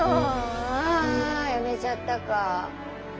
あやめちゃったか。